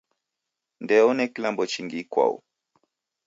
Ndeone kilambo chingi ikwau